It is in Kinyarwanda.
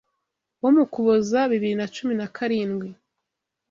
wo mu Ukuboza bibiri na cumi nakarindwi